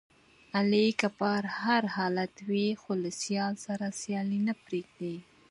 علي که په هر حالت وي، خو له سیال سره سیالي نه پرېږدي.